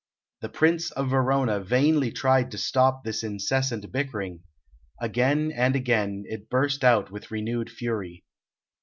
The Prince of Verona vainly tried to stop this incessant bickering; again and again it burst out with renewed fury.